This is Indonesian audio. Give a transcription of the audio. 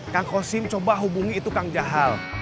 kang kosim coba hubungi itu kang jahal